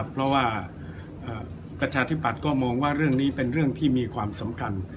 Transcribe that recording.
เพราะว่าประชาธิปัตย์ก็มองว่าเรื่องนี้เป็นเรื่องที่มีความสำคัญ